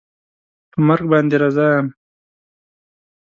په مرګ باندې رضا یم